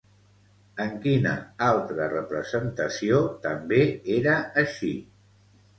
En quina altra representació també era així?